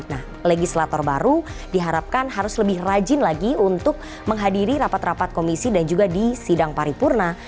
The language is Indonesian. nah legislator baru diharapkan harus lebih rajin lagi untuk menghadiri rapat rapat komisi dan juga di sidang paripurna